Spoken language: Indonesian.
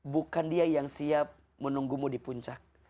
bukan dia yang siap menunggumu di puncak